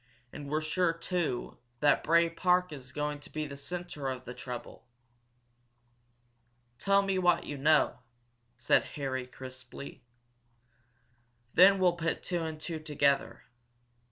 And we're sure, too, that Bray Park is going to be the centre of the trouble." "Tell me what you know," said Harry, crisply. "Then we'll put two and two together.